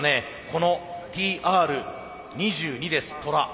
このＴＲ２２ですトラ。